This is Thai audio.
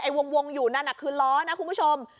วงอยู่นั่นคือล้อนะคุณผู้ชม